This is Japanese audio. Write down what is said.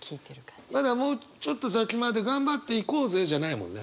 「まだもうちょっと先まで頑張っていこうぜ」じゃないもんね。